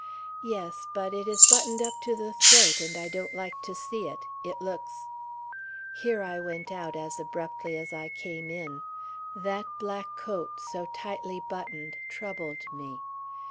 "Yes; but it is buttoned up to the throat, and I don't like to see it. It looks " here I went out as abruptly as I came in; that black coat so tightly buttoned troubled me.